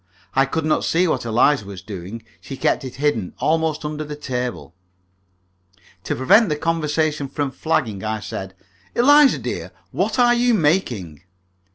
I could not see what Eliza was doing. She kept it hidden, almost under the table. To prevent the conversation from flagging, I said, "Eliza, dear, what are you making?"